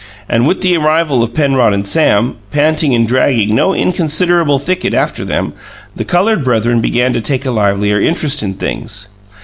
And with the arrival of Penrod and Sam, panting and dragging no inconsiderable thicket after them, the coloured brethren began to take a livelier interest in things.